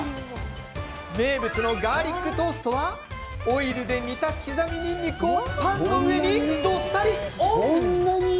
名物のガーリックトーストはオイルで煮た刻みにんにくをパンの上にどっさりオン。